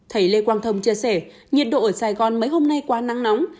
thầy lê quang thông chia sẻ nhiệt độ ở sài gòn mấy hôm nay quá nắng nóng